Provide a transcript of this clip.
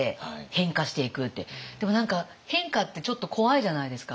でも何か変化ってちょっと怖いじゃないですか。